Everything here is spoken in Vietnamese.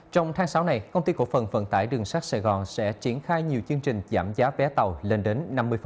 trong tháng sáu này công ty cổ phần vận tải đường sắt sài gòn sẽ triển khai nhiều chương trình giảm giá vé tàu lên đến năm mươi